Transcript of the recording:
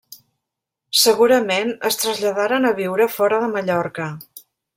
Segurament es traslladaren a viure fora de Mallorca.